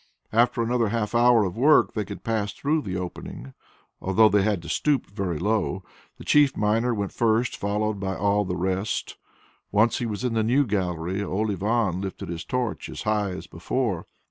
After another half hour of work they could pass through the opening, although they had to stoop very low. The chief miner went first followed by all the rest. Once he was in the new gallery, old Ivan lifted his torch as high as before.